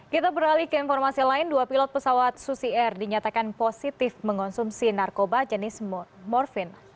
kita beralih ke informasi lain dua pilot pesawat susi air dinyatakan positif mengonsumsi narkoba jenis morfin